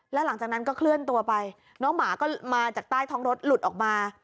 แล้วหลังจากนั้นก็เคลื่อนตัวไปน้องหมาก็มาจากใต้ท้องรถหลุดออกมา